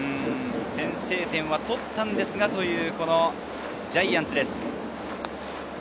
先制点は取ったんですがというジャイアンツです。